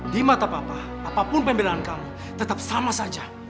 di mata papa apapun pembelaan kamu tetap sama saja